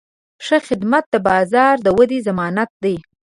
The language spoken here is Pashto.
ښه خدمت د بازار د ودې ضمانت دی.